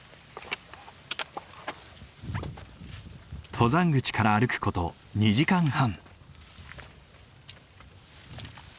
登山口から歩く事２時間半。